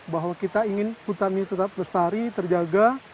bahwa kita ingin hutan ini tetap lestari terjaga